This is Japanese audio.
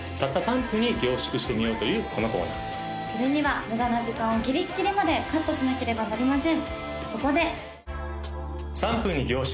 それには無駄な時間をギリッギリまでカットしなければなりません